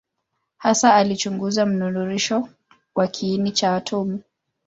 Hasa alichunguza mnururisho wa kiini cha atomu.